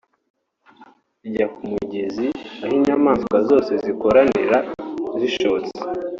ijya ku mugezi aho inyamaswa zose zikoranira zishotse